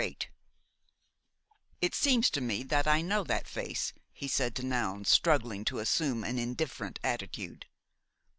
VIII "It seems to me that I know that face," he said to Noun, struggling to assume an indifferent attitude.